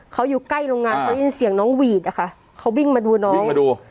เขาอยู่ใกล้โรงงานเขาได้ยินเสียงน้องหวีดอะค่ะเขาวิ่งมาดูน้องวิ่งมาดู